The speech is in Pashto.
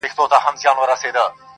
وجود بار لري هر کله په تېرو تېرو ازغیو,